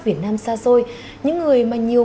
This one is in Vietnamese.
việt nam xa xôi những người mà nhiều